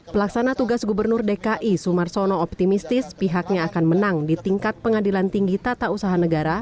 pelaksana tugas gubernur dki sumarsono optimistis pihaknya akan menang di tingkat pengadilan tinggi tata usaha negara